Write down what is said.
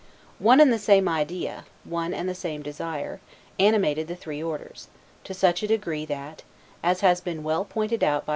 One and the same idea, one and the same desire, animated the three orders; to such a degree that, as has been well pointed out by M.